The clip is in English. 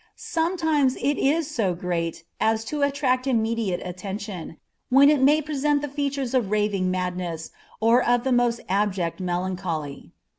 Sometimes it is so great as to attract immediate attention, when it may present the features of raving madness, or of the most abject melancholy.